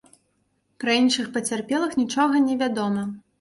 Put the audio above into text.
Пра іншых пацярпелых нічога не вядома.